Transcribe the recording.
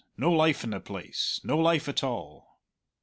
No life in the place, no life at all!"